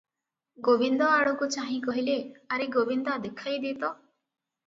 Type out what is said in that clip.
ଗୋବିନ୍ଦ ଆଡ଼କୁ ଚାହିଁ କହିଲେ, "ଆରେ ଗୋବିନ୍ଦା ଦେଖାଇ ଦେ ତ ।"